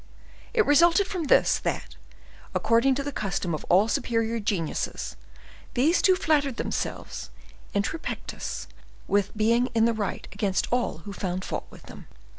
It resulted from this, that, according to the custom of all superior geniuses, these two men flattered themselves, intra pectus, with being in the right against all who found fault with them.